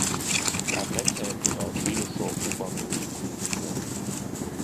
Tā tecēja caur bijušo Ubagu līkuma ielu.